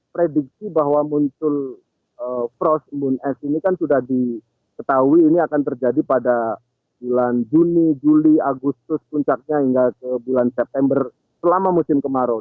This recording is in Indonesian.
prediksi bahwa muncul frost moon es ini kan sudah diketahui ini akan terjadi pada bulan juni juli agustus puncaknya hingga ke bulan september selama musim kemarau